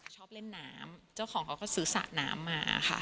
ชอบเล่นน้ำเจ้าของเขาก็ซื้อสระน้ำมาค่ะ